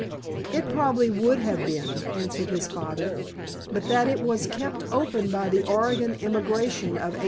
"It probably would have been," answered his father, "but that it was kept open by the Oregon emigration of 1832.